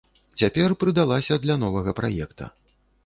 Цяпер прыдалася для новага праекта.